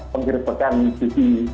penggiris giriskan di salamati